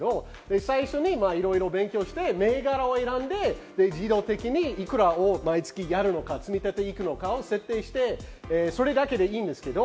最初にいろいろ勉強して、銘柄を選んで、自動的に幾らを毎月やるのか積み立てていくのかを設定して、それだけでいいです。